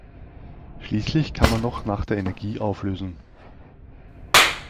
Schließlich kann man noch nach der Energie auflösen.